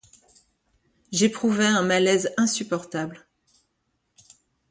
J’éprouvais un malaise insupportable.